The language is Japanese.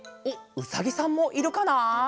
おっうさぎさんもいるかなあ？